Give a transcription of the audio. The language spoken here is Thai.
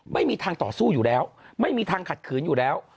ไม่มีทางต่อสู้อยู่แล้วไม่มีทางขัดขืนอยู่แล้ว